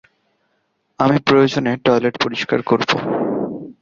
আমি প্রয়োজনে টয়লেট পরিষ্কার করবো।